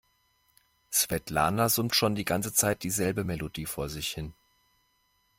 Svetlana summt schon die ganze Zeit dieselbe Melodie vor sich hin.